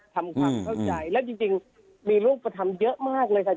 ทำความเข้าใจและจริงมีลูกก็ทำเยอะมากเลยค่ะ